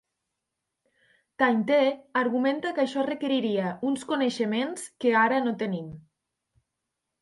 Tainter argumenta que això requeriria uns coneixements que ara no tenim.